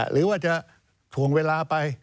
หรือว่าจะถ่วงเวลาไป